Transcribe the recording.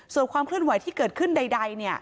ส่วนความเคลื่อนไหวที่เกิดขึ้นใด